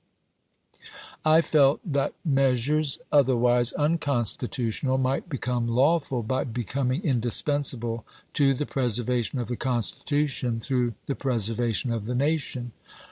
I felt that measures other wise unconstitutional might become lawful by becoming indispensable to the preservation of the Constitution through the preservation of the nation.